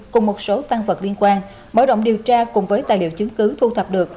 cùng một số tăng vật liên quan mở rộng điều tra cùng với tài liệu chứng cứ thu thập được